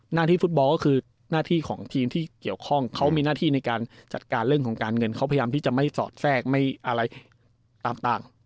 หน้าที่ฟุตบอลก็คือหน้าที่ของทีมที่เกี่ยวข้องเขามีหน้าที่ในการจัดการเรื่องของการเงินเขาพยายามที่จะไม่สอดแทรกไม่อะไรต่าง